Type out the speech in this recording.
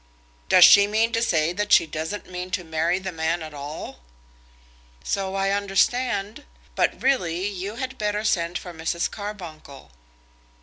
"Does she mean to say that she doesn't mean to marry the man at all?" "So I understand; but really you had better send for Mrs. Carbuncle."